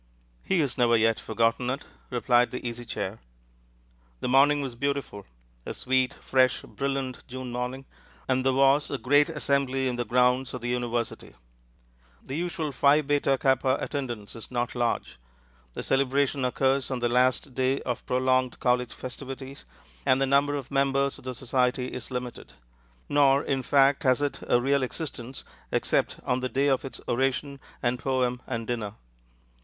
"He has never yet forgotten it," replied the Easy Chair. The morning was beautiful a sweet, fresh, brilliant June morning and there was a great assembly in the grounds of the university. The usual Phi Beta Kappa attendance is not large. The celebration occurs on the last day of prolonged college festivities, and the number of members of the society is limited; nor, in fact, has it a real existence except on the day of its oration and poem and dinner.